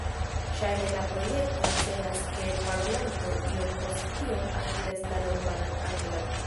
Ŝajne la projekto celas ke parolanto iom-post-iom akiras la normalan anglan.